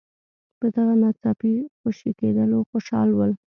په دغه ناڅاپي خوشي کېدلو خوشاله ول.